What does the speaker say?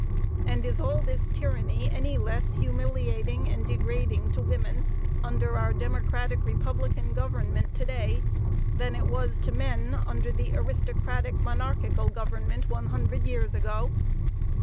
And is all this tyranny any less humiliating and degrading to women under our democratic republican government to day than it was to men under their aristocratic, monarchical government one hundred years ago?